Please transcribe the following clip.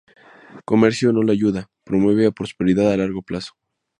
Comercio, no la ayuda, promueve la prosperidad a largo plazo.